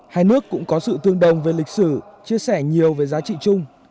hai nước cũng có sự tương đồng về lịch sử chia sẻ nhiều về giá trị chung